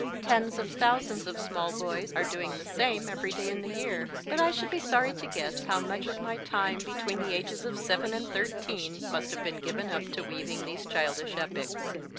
Tens of thousands of small boys are 270 MY FIRST BOOK doing the same every day in the year ; but I should be sorry to guess how much of my time, between the ages of seven and thirteen, must have been given up to weaving these childish epics.